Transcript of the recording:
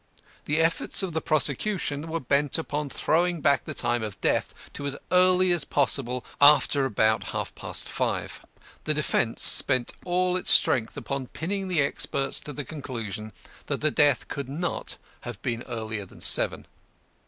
The efforts of the prosecution were bent upon throwing back the time of death to as early as possible after about half past five. The defence spent all its strength upon pinning the experts to the conclusion that death could not have been earlier than seven.